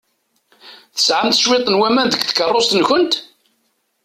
Tesɛamt cwiṭ n waman deg tkeṛṛust-nkent?